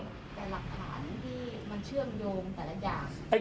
แต่หลักฐานที่มันเชื่อมโยงแต่ละอย่าง